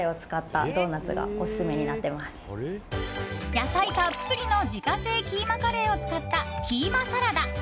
野菜たっぷりの自家製キーマカレーを使ったキーマサラダ。